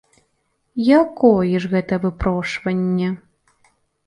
Якое ж гэта выпрошванне!